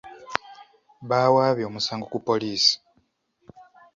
Baawaabye omusango ku poliisi.